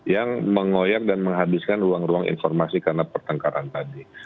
yang mengoyak dan menghabiskan ruang ruang informasi karena pertengkaran tadi